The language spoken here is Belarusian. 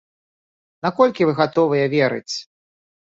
Наколькі вы гатовыя верыць?